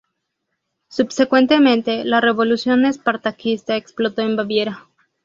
Subsecuentemente, la Revolución Espartaquista explotó en Baviera.